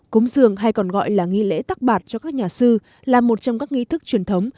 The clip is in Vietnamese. cúng dường hay còn gọi là nghi lễ tắc bạt cho các nhà sư là một trong các nghi thức truyền thống